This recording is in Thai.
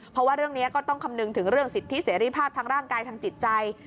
เพราะว่าเรื่องนี้ก็ต้องคำนึงถึงเรื่องสิทธิเสรีภาพทางร่างกายทางจิตใจ